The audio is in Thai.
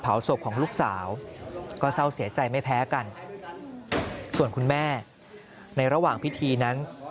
ศพของลูกสาวก็เศร้าเสียใจไม่แพ้กันส่วนคุณแม่ในระหว่างพิธีนั้น